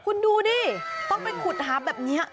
คุณดูดิต้องไปขุดหาแบบนี้